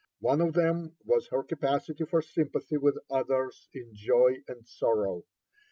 One of them was her capacity for sympathy with others in joy and sorrow.